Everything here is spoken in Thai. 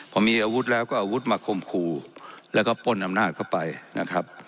พอมีอาวุธแล้วก็อาวุธมาคมครูแล้วก็ป้นอำนาจเข้าไปนะครับ